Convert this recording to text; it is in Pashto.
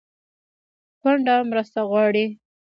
کونډه مرسته غواړي